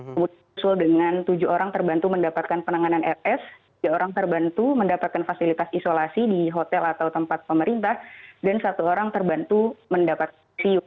kemudian susul dengan tujuh orang terbantu mendapatkan penanganan rs tiga orang terbantu mendapatkan fasilitas isolasi di hotel atau tempat pemerintah dan satu orang terbantu mendapatkan siu